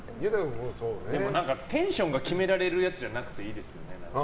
でも、テンションが決められるやつじゃなくていいですよね。